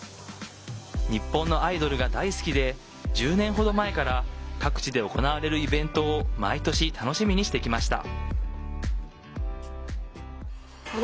日本のアイドルが大好きで１０年程前から各地で行われるイベントを毎年楽しみにしてきました。